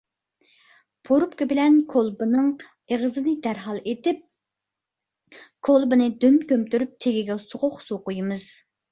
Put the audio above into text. پۇرۇپكا بىلەن كولبىنىڭ ئېغىزىنى دەرھال ئېتىپ، كولبىنى دۈم كۆمتۈرۈپ تېگىگە سوغۇق سۇ قۇيىمىز.